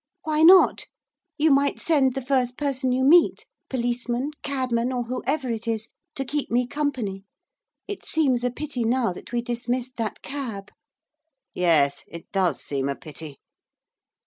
'Why not? You might send the first person you meet, policeman, cabman, or whoever it is to keep me company. It seems a pity now that we dismissed that cab.' 'Yes, it does seem a pity.